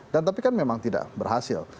dan tapi kan memang tidak berhasil